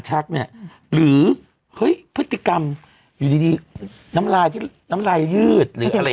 ชักเนี่ยหรือเฮ้ยพฤติกรรมอยู่ดีน้ำลายน้ำลายยืดหรืออะไร